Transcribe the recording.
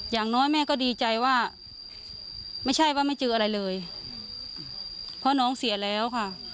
อย่างน้อยแม่ก็ดีใจว่าไม่ใช่ว่าไม่เจออะไรเลยเพราะน้องเสียแล้วค่ะ